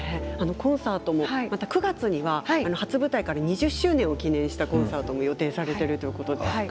コンサートも９月には初舞台から２０周年を記念したコンサートも予定されているということです。